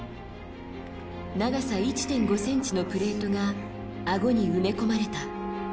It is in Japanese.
長さ１．５ｃｍのプレートがあごに埋め込まれた。